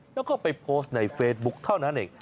แล้วก็ไปโพสต์ในเฟซบุ๊คเท่านั้นเอง